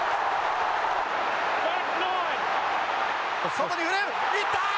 外に振る、行ったー。